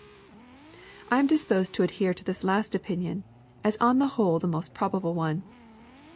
I am disposed to adhere to this last opinion, as on the whole the most probable one.